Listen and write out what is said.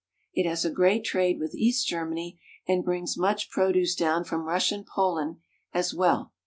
It has a great trade with east Germany, and brings much produce down from Russian Poland as well.